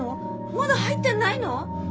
まだ入ってないの？